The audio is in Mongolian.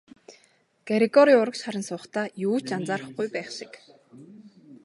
Грегори урагш харан суухдаа юу ч анзаарахгүй байх шиг.